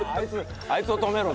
「あいつを止めろ」。